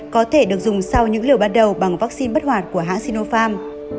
có thể được dùng sau những liều ban đầu bằng vaccine bất hoạt của hãng sinopharm